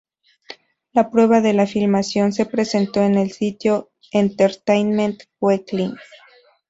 La prueba de la filmación se presentó en el sitio "Entertainment Weekly".